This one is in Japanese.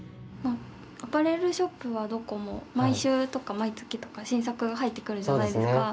アパレルショップはどこも毎週とか毎月とか新作が入ってくるじゃないですか。